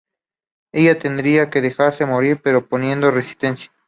Ella tendría que dejarse morir pero poniendo resistencia.